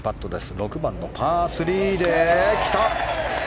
６番のパー３で、きた！